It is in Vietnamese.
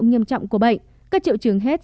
nghiêm trọng của bệnh các triệu chứng hết